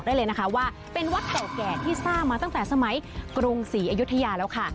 ได้เลยนะคะว่าเป็นวัดเก่าแก่ที่สร้างมาตั้งแต่สมัยกรุงศรีอยุธยาแล้วค่ะ